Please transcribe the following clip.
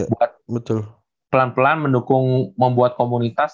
buat pelan pelan mendukung membuat komunitas